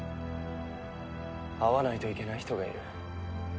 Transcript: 会わないといけない人がいる。